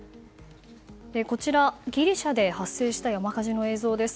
こちら、ギリシャで発生した山火事の映像です。